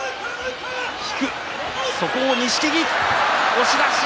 押し出し。